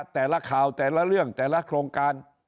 แต่ละข่าวแต่ละเรื่องแต่ละโครงการ